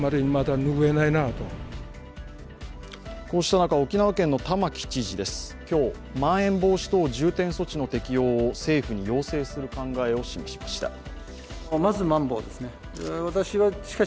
こうした中、沖縄県の玉城知事は今日、まん延防止等重点措置の適用を政府に要請する考えを示しました。